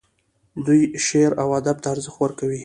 دوی شعر او ادب ته ارزښت ورکوي.